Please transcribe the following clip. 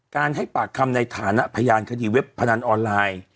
ให้ปากคำในฐานะพยานคดีเว็บพนันออนไลน์